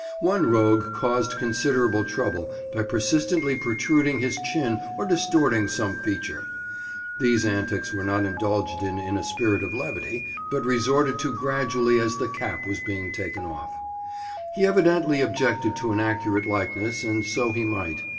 One rogue caused considerable trouble by persistently protruding his chin or distorting some feature; these antics were not indulged in in a spirit of levity, but resorted to gradually as the cap was being taken off. He evidently objected to an accurate likeness, and so he might.